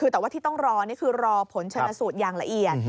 แต่ว่าที่ต้องรอนี่คือรอผลชนสูตรอย่างละเอียด